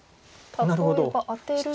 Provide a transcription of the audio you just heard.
例えばアテると。